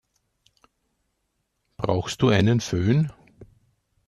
Brauchst du einen Fön?